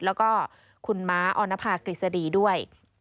แล้วก็คุณม้าออนภากฤษฎีด้วย